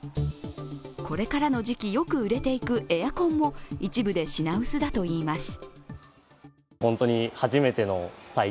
これからの時期、よく売れていくエアコンも一部で品薄だといいます。